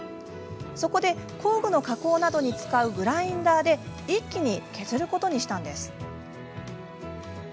そこで、工具の加工などに使うグラインダーで一気に削ることにしました。